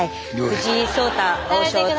藤井聡太王将と。